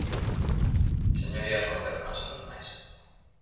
Señorías, non quero cansalos máis.